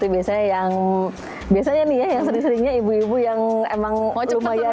biasanya yang biasanya nih ya yang sering seringnya ibu ibu yang emang cuma ya